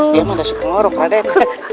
dia mah udah suka ngorok raden